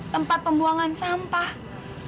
tempat pembuangan sampah